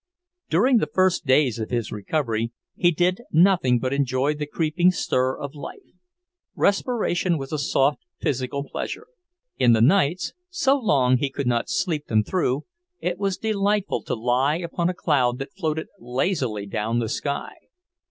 During the first days of his recovery he did nothing but enjoy the creeping stir of life. Respiration was a soft physical pleasure. In the nights, so long he could not sleep them through, it was delightful to lie upon a cloud that floated lazily down the sky.